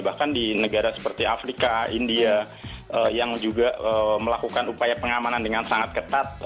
bahkan di negara seperti afrika india yang juga melakukan upaya pengamanan dengan sangat ketat